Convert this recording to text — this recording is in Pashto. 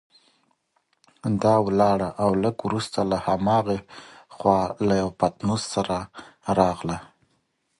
دا ولاړه او لږ وروسته له هماغې خوا له یوه پتنوس سره راغله.